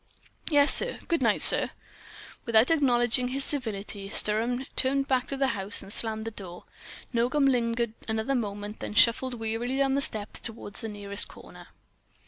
"Yes, sir. Good night, sir." Without acknowledging this civility, Sturm turned back into the house and slammed the door. Nogam lingered another moment, then shuffled wearily down the steps and toward the nearest corner.